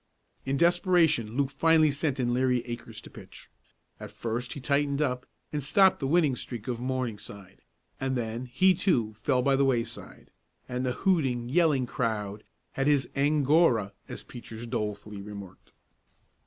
In desperation Luke finally sent in Larry Akers to pitch. At first he tightened up and stopped the winning streak of Morningside, and then, he, too, fell by the wayside, and the hooting, yelling crowd had his "Angora," as Peaches dolefully remarked.